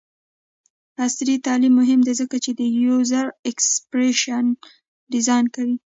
عصري تعلیم مهم دی ځکه چې د یوزر ایکسپیرینس ډیزاین کوي.